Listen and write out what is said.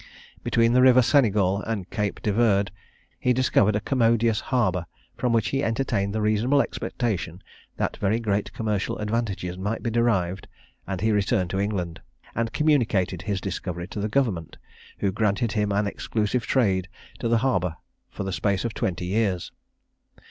Between the river Senegal and Cape de Verd he discovered a commodious harbour, from which he entertained the reasonable expectation that very great commercial advantages might be derived; and he returned to England, and communicated his discovery to government, who granted him an exclusive trade to the harbour for the space of twenty years.